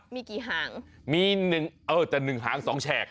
มีกี่หางมี๑เออแต่หนึ่งหาง๒แฉก